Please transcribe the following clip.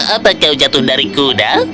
apa kau jatuh dari kuda